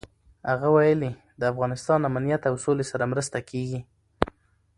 هغه ویلي، د افغانستان امنیت او سولې سره مرسته کېږي.